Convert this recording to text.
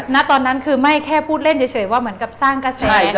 ณตอนนั้นคือไม่แค่พูดเล่นเฉยว่าเหมือนกับสร้างกระแส